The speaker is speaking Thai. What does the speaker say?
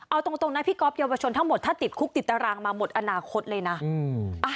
เอาตรงนะพี่ก๊อฟเยาวชนทั้งหมดถ้าติดคุกติดตารางมาหมดอนาคตเลยนะ